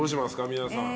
皆さん。